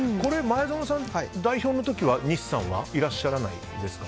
前園さん、代表の時は西さんはいらっしゃらないですか。